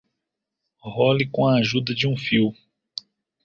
Role com a ajuda de um fio.